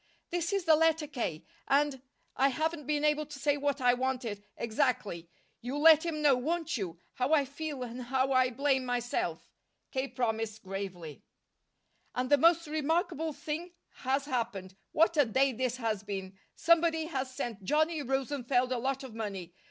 "This is the letter, K., and I haven't been able to say what I wanted, exactly. You'll let him know, won't you, how I feel, and how I blame myself?" K. promised gravely. "And the most remarkable thing has happened. What a day this has been! Somebody has sent Johnny Rosenfeld a lot of money.